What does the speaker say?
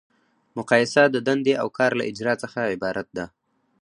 مقایسه د دندې او کار له اجرا څخه عبارت ده.